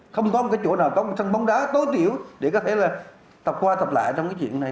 không có một cái chỗ nào có một sân bóng đá tối thiểu để có thể là tập qua thập lại trong cái chuyện này